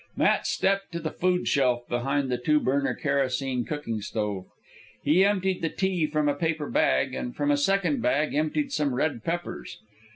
Matt stepped to the food shelf behind the two burner kerosene cooking stove. He emptied the tea from a paper bag, and from a second bag emptied some red peppers.